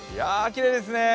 きれいですね。